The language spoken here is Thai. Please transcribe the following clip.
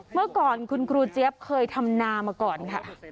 เมื่อก่อนคุณครูเจี๊ยบเคยทำนามาก่อนค่ะ